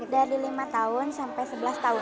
dari lima tahun sampai sebelas tahun